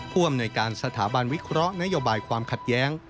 ผู้อำนวยการสถาบันวิเคราะห์นโยบายความขัดแย้ง